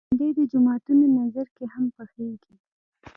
بېنډۍ د جوماتونو نذر کې هم پخېږي